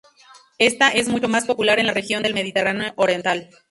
Ésta es mucho más popular en la región del Mediterráneo oriental.